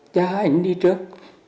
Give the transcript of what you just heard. trái ảnh đi trước